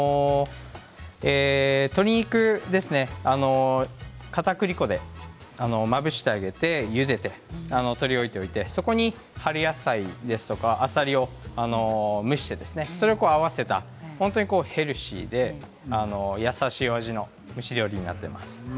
鶏肉、かたくり粉でまぶして揚げてゆでて取り置いておいて、そこに春野菜ですとかあさりを蒸して合わせたヘルシーで優しいお味の蒸し料理になっています。